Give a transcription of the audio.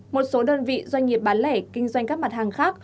một số đơn vị doanh nghiệp bán lẻ kinh doanh các mặt hàng khác